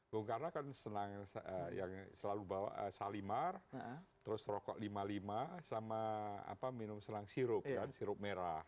bung karno kan yang selalu bawa salimar terus rokok lima puluh lima sama minum selang sirup kan sirup merah